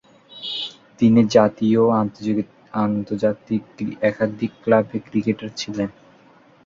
তিনি জাতীয় ও আন্তর্জাতিক একাধিক ক্লাবের ক্রিকেটার ছিলেন।